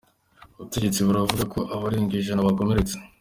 Ubutegetsi buravuga ko abarenga ijana bakomeretse.